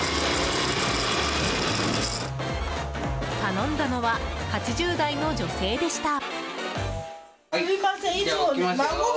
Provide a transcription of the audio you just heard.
頼んだのは８０代の女性でした。